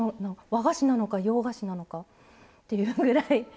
和菓子なのか洋菓子なのかっていうぐらい。